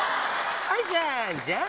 はい、じゃんじゃん。